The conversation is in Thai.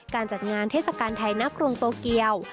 การจัดงานเทศกาลไทยณกรุงโตเกียว